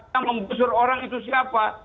yang menggusur orang itu siapa